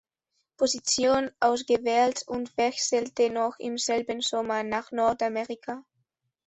Position ausgewählt und wechselte noch im selben Sommer nach Nordamerika.